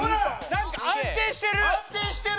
なんか安定してる！